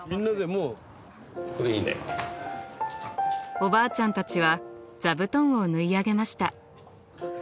おばあちゃんたちは座布団を縫い上げました。